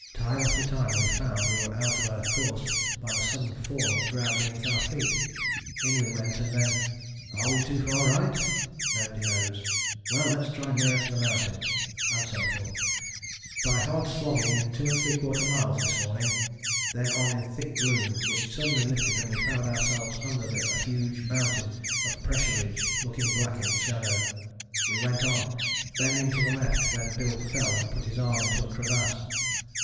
Time after time we found we were out of our course by the sudden fall of the ground beneath our feet in we went and then "are we too far right?" nobody knows "well let's try nearer in to the mountain," and so forth! "By hard slogging 2¾ miles this morning then on in thick gloom which suddenly lifted and we found ourselves under a huge great mountain of pressure ridge looking black in shadow. We went on, bending to the left, when Bill fell and put his arm into a crevasse.